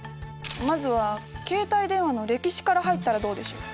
まずは携帯電話の歴史から入ったらどうでしょう？